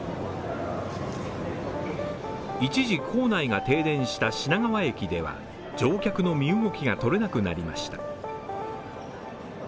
一時構内が停電した品川駅では乗客の身動きが取れなくなりました。